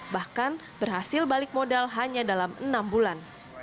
bahkan berhasil balik modal hanya dalam enam bulan